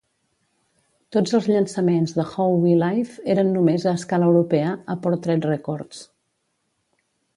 Tots els llançaments de How We Live eren només a escala europea, a Portrait Records.